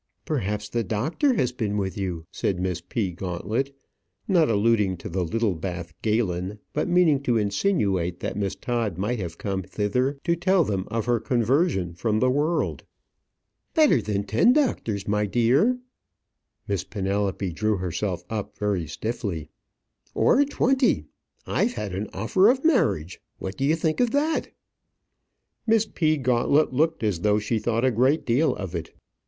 "Perhaps the doctor has been with you," said Miss P. Gauntlet, not alluding to the Littlebath Galen, but meaning to insinuate that Miss Todd might have come thither to tell them of her conversion from the world. "Better than ten doctors, my dear" Miss Penelope drew herself up very stiffly "or twenty! I've had an offer of marriage. What do you think of that?" Miss P. Gauntlet looked as though she thought a great deal of it.